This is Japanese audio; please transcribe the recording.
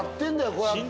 こうやって。